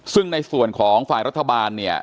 ซึ่งในส่วนของฝ่ายรัฐบาลเนี่ย